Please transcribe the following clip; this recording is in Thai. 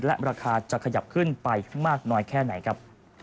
และราคาจะขยับขึ้นไปมากน้อยแค่ไหนครับ